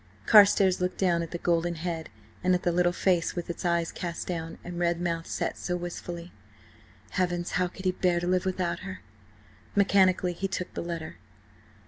Carstares looked down at the golden head, and at the little face with its eyes cast down, and red mouth set so wistfully. Heavens, how could he bear to live without her! Mechanically he took the letter.